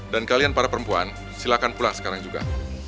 dan kalian para perempuan silakan pulang sekarang juga